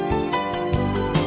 dịch bệnh nhân